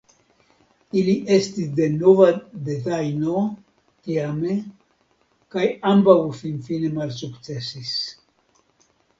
Ili estis de nova dezajno tiame kaj ambaŭ finfine malsukcesis.